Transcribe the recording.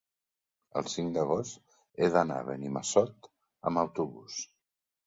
El cinc d'agost he d'anar a Benimassot amb autobús.